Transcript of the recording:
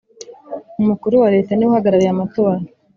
Umukuru wa leta niwe uhagarariye amatora